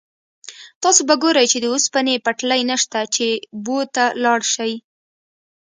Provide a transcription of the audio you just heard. تاسو به ګورئ چې د اوسپنې پټلۍ نشته چې بو ته لاړ شئ.